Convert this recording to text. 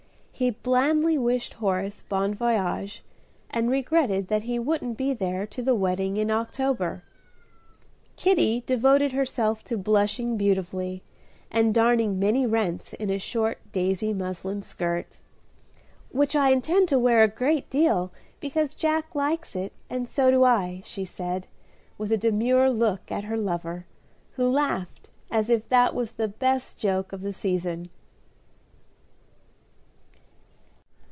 He blandly wished Horace "bon voyage," and regretted that he wouldn't be there to the wedding in October. Kitty devoted herself to blushing beautifully, and darning many rents in a short daisy muslin skirt, "which I intend to wear a great deal, because Jack likes it, and so do I," she said, with a demure look at her lover, who laughed as if that was the best joke of the season.